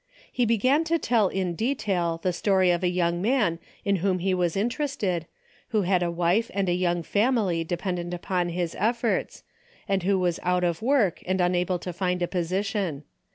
He began to tell in detail the story of a young man in whom he was interested, who had a wife and young family dependent upon his efforts, and who was out of work, and unable to find a position.